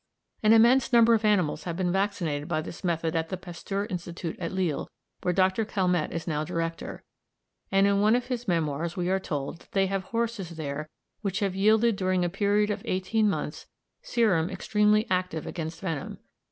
An immense number of animals have been vaccinated by this method at the Pasteur Institute at Lille, where Dr. Calmette is now director; and in one of his memoirs we are told that they have horses there which have yielded during a period of eighteen months serum extremely active against venom.